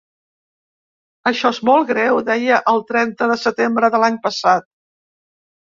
Això és molt greu, deia el trenta de setembre de l’any passat.